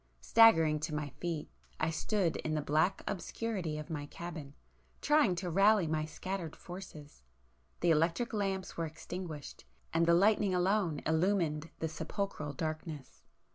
Staggering to my feet I stood in the black obscurity of my cabin, trying to rally my scattered forces,—the electric lamps were extinguished, and the lightning alone illumined the sepulchral darkness.